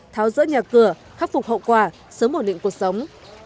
tháo rỡ nhà cửa khắc phục hậu quả sớm ổn định cuộc sống